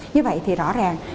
như vậy thì rõ ràng